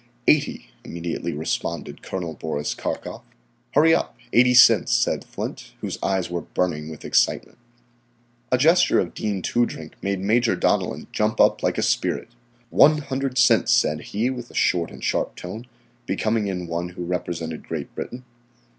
"Eighty," immediately responded Col. Boris Karkof. "Hurry up, 80 cents," said Flint, whose eyes were burning with excitement. A gesture of Dean Toodrink made Major Donellan jump up like a spirit. "One hundred cents," said he with a short and sharp tone, becoming in one who represented Great Britain.